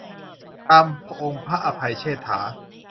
ตามองค์พระอภัยเชษฐา